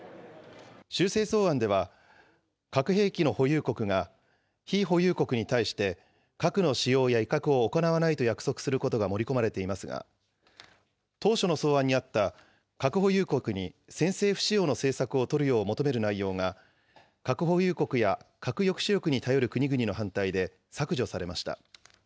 修正草案では、核兵器の保有国が、非保有国に対して核の使用や威嚇を行わないと約束することが盛り込まれていますが、当初の草案にあった、核保有国に、先制不使用の政策を取るよう求める内容が核保有国や、核抑止力に頼る国々の反対で削除されました。